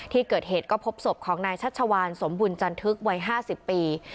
ที่เกิดเหตุก็พบศพของนายชัชวานสมบุญจันทึกวัย๕๐ปี